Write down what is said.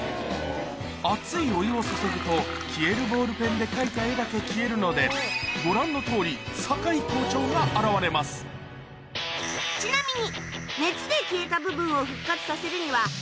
熱いお湯を注ぐと消えるボールペンで描いた絵だけ消えるのでご覧のとおり堺校長が現れますちなみに。